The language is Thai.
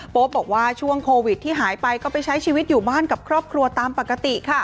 ป๊ปบอกว่าช่วงโควิดที่หายไปก็ไปใช้ชีวิตอยู่บ้านกับครอบครัวตามปกติค่ะ